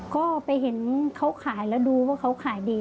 ก็ไปเห็นเขาขายแล้วดูว่าเขาขายดี